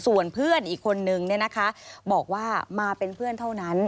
ส่วนเพื่อนอีกคนนึงบอกว่ามาเป็นเพื่อนเท่านั้น